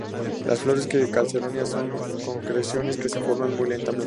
Las flores de calcedonia son concreciones que se forman muy lentamente.